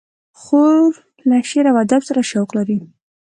خور له شعر و ادب سره شوق لري.